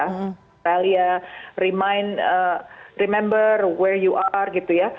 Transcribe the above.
australia remember where you are gitu ya